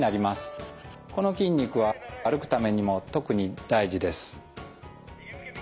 この筋肉は歩くためにも特に大事です。